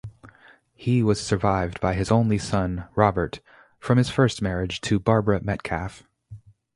He was survived by his only son, Robert, from his marriage to Barbara Metcalf.